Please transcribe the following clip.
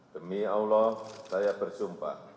demi allah saya bersumpah